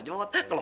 jadi mau mampus